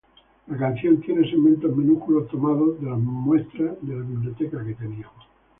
La canción “tiene segmentos minúsculos, tomado de las muestras de la biblioteca que teníamos.